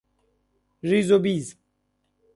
ریز و بیز